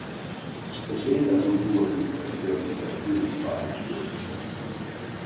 També hi ha hagut dues imitacions de Fin Fang Foom.